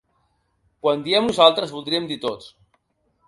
Quan diem nosaltres, voldríem dir tots.